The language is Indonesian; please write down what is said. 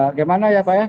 bagaimana ya pak